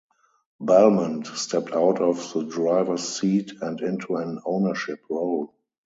Belmont stepped out of the drivers seat and into an ownership role.